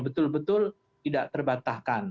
betul betul tidak terbatahkan